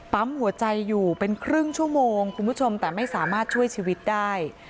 ปั๊มหัวใจอยู่เป็นครึ่งชั่วโมงคุณผู้ชมแต่ไม่สามารถช่วยชีวิตได้